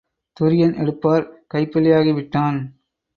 துரியன் எடுப்பார் கைப்பிள்ளையாகிவிட்டான்.